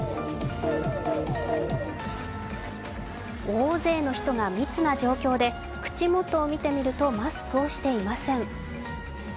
大勢の人が密な状況で、口元を見てみるとマスクをしていません。